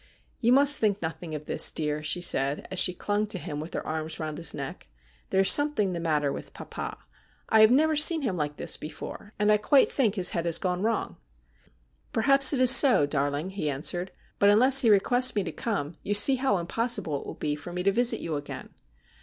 ' You must think nothing of this, dear,' she said, as she clung to him with her arms round his neck. ' There is something the matter with papa. I have never seen him like this before, and I quite think his head has gone wrong.' ' Perhaps it is so, darling,' he answered ;' but unless he requests me to come you see how impossible it will be for me to visit you again.'